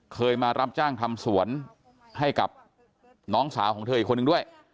เคยมารับจ้างทำสวนให้กับน้องสาวของเธออีกคนนึงด้วย